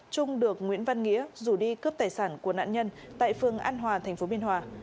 trung được nguyễn văn nghĩa rủ đi cướp tài sản của nạn nhân tại phường an hòa thành phố biên hòa